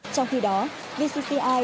trong khi đó vcci